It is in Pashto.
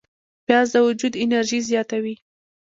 پیاز د وجود انرژي زیاتوي